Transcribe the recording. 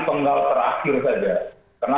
penggal terakhir saja karena